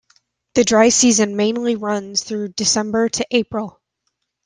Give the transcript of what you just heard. The dry season mainly runs through December to April.